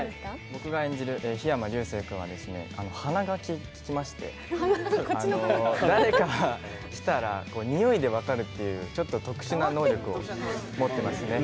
僕が演じる桧山竜星君は鼻が利きまして、誰か来たら、においで分かるというちょっと特殊な能力を持ってますね。